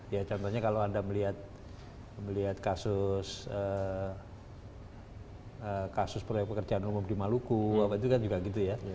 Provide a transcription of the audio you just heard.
ya contohnya kalau anda melihat kasus kasus proyek pekerjaan umum di maluku apa itu kan juga gitu ya